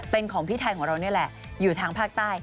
เป็นของพี่ไทยของเรานี่แหละอยู่ทางภาคใต้